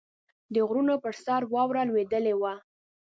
د غرونو پر سر واوره لوېدلې وه.